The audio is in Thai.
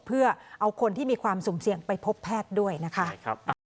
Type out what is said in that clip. เพื่อเอาคนที่มีความสุ่มเสี่ยงไปพบแพทย์ด้วยนะคะ